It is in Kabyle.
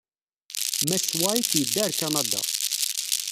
Mass White yedda ɣer Kanada.